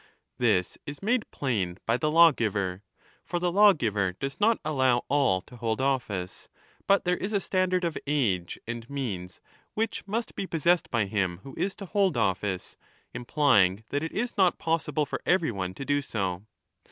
20 This is made plain by the lawgiver. For the lawgiver does not allow all to hold office, but there is a standard of age and means which must be possessed by him who is to hold office, implying that it is not possible for every one to do so.